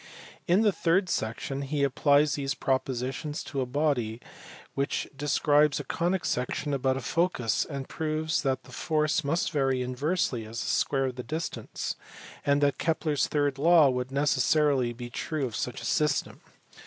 In the third section he applies these propositions to a body which describes a conic section about a focus, and proves that the force must vary inversely as the square of the distance, and that Kepler s third law would necessarily be true of such a system.